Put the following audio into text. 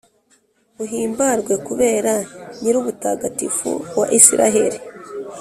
uhimbarwe kubera Nyirubutagatifu wa Israheli.